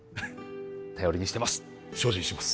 頼りにしてます精進します